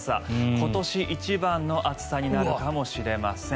今年一番の暑さになるかもしれません。